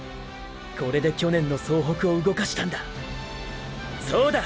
これで去年の総北を動かしたんだそうだ！！